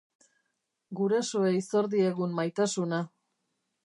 Gurasoei zor diegun maitasuna.